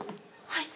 はい。